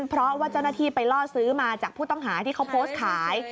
เพราะว่าเจ้าหน้าที่ไปล่อซื้อมาจากผู้ต้องหาที่เขาโพสต์ขาย